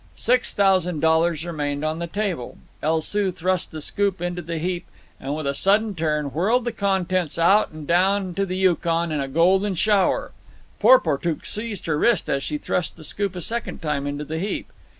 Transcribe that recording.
Six thousand dollars remained on the table. El Soo thrust the scoop into the heap, and with a sudden turn whirled the contents out and down to the Yukon in a golden shower. Porportuk seized her wrist as she thrust the scoop a second time into the heap.